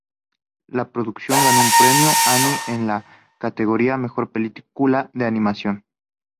La producción ganó un Premio Annie en la categoría "Mejor Película de Animación".